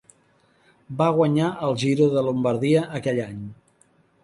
Va guanyar el Giro de Lombardia aquell any.